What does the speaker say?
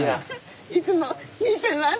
いつも見てます。